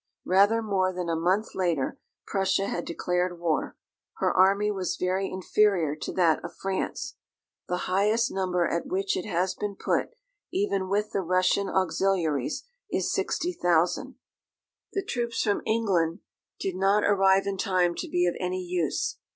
Rather more than a month later, Prussia had declared war. Her army was very inferior to that of France. The highest number at which it has been put, even with the Russian auxiliaries, is 60,000. The troops from England did not arrive in time to be of any use.